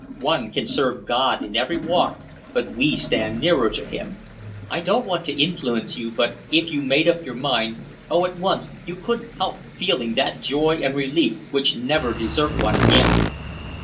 One can serve God in every walk, but we stand nearer to Him. I don't want to influence you, but if you made up your mind—oh, at once—you couldn't help feeling that joy and relief which never desert one again."